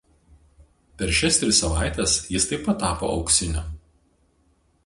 Per šias tris savaites jis taip pat tapo auksiniu.